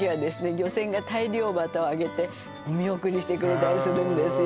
漁船が大漁旗をあげてお見送りしてくれたりするんですよ